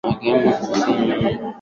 Ustahimilivu ulimshinda binti.